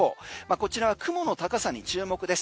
こちらは雲の高さに注目です。